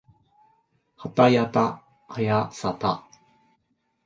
はたやたはやさた